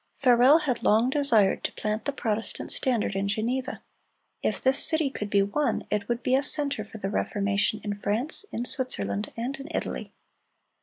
Farel had long desired to plant the Protestant standard in Geneva. If this city could be won, it would be a center for the Reformation in France, in Switzerland, and in Italy.